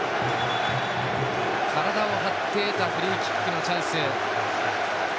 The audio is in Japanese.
体を張って得たフリーキックのチャンス。